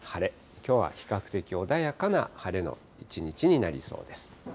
きょうは比較的穏やかな晴れの一日になりそうです。